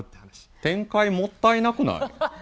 展開もったいなくない？